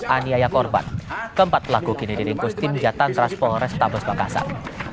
anjayak korban keempat pelaku kini didingkus tim jatan transport tabus makassar